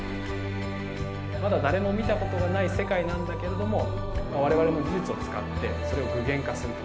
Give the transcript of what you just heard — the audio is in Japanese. まだ誰も見たことがない世界なんだけれども我々の技術を使ってそれを具現化すると。